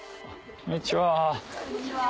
こんにちは。